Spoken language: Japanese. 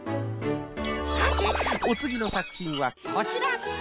さておつぎのさくひんはこちら。